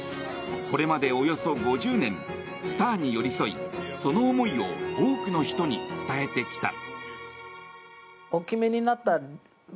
これまでおよそ５０年スターに寄り添いその思いを多くの人に伝えてきた。